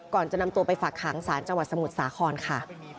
ก่อนจะนำตัวไปฝากขังสารจังหวัดสมุทรสาครค่ะ